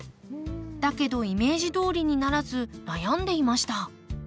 だけどイメージどおりにならず悩んでいました。